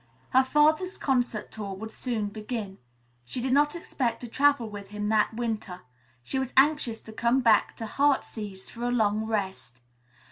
Her father's concert tour would soon begin. She did not expect to travel with him that winter. She was anxious to come back to "Heartsease" for a long rest.